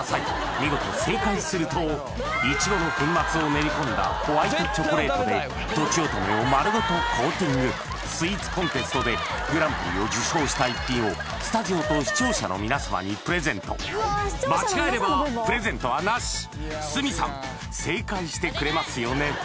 見事正解するといちごの粉末を練り込んだホワイトチョコレートでとちおとめを丸ごとコーティングスイーツコンテストでグランプリを受賞した逸品を間違えればプレゼントは無し鷲見さん正解してくれますよね？